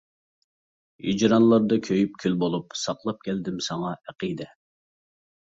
ھىجرانلاردا كۆيۈپ كۈل بولۇپ، ساقلاپ كەلدىم ساڭا ئەقىدە.